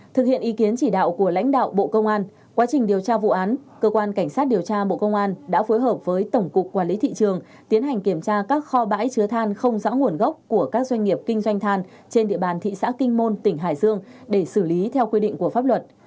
thực hiện ý kiến chỉ đạo của lãnh đạo bộ công an quá trình điều tra vụ án cơ quan cảnh sát điều tra bộ công an đã phối hợp với tổng cục quản lý thị trường tiến hành kiểm tra các kho bãi chứa than không rõ nguồn gốc của các doanh nghiệp kinh doanh than trên địa bàn thị xã kinh môn tỉnh hải dương để xử lý theo quy định của pháp luật